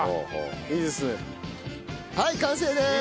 はい完成です！